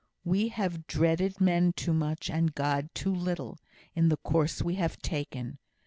We have dreaded men too much, and God too little, in the course we have taken.